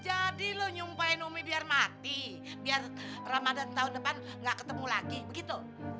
jadi lu nyumpain umi biar mati biar ramadhan tahun depan gak ketemu lagi gitu